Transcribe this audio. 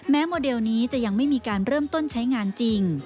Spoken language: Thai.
โมเดลนี้จะยังไม่มีการเริ่มต้นใช้งานจริง